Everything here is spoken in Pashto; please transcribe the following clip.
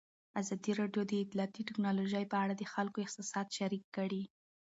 ازادي راډیو د اطلاعاتی تکنالوژي په اړه د خلکو احساسات شریک کړي.